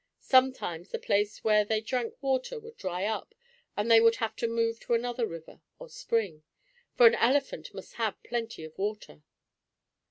Sometimes the place where they drank water would dry up, and they would have to move to another river or spring. For an elephant must have plenty of water.